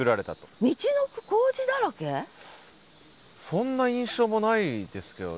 そんな印象もないですけど。